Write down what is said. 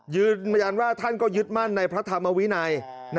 ยืนยันว่าท่านก็ยึดมั่นในพระธรรมวินัย